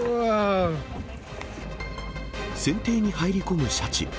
船底に入り込むシャチ。